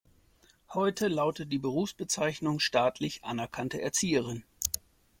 Heute lautet die Berufsbezeichnung staatlich anerkannte Erzieherin.